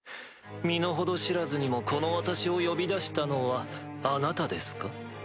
身の程知らずにもこの私を呼び出したのはあなたですか？